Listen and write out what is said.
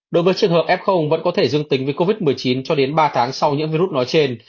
đối với trường hợp f vẫn có thể dương tính với covid một mươi chín cho đến ba tháng sau nhiễm virus nói trên